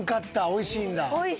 おいしいんだ。